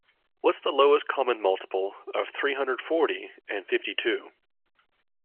What's the lowest common multiple of three hundred forty and fifty-two?